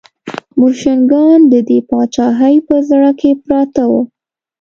بوشنګان د دې پاچاهۍ په زړه کې پراته وو.